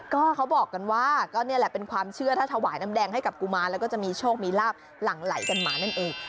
ก็เขาบอกกันว่าก็นี่แหละเป็นความเชื่อถ้าถวายน้ำแดงให้กับกุมารแล้วก็จะมีโชคมีลาบหลั่งไหลกันมานั่นเอง